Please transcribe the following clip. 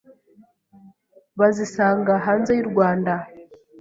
bazisanga hanze y’u Rwanda